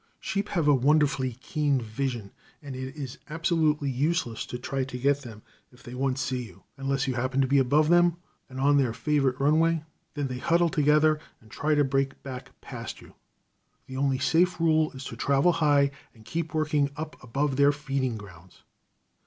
Sheep have a wonderfully keen vision, and it is absolutely useless to try to get to them if they once see you, unless you happen to be above them and on their favorite runway; then they huddle together and try to break back past you. The only safe rule is to travel high and keep working up above their feeding grounds.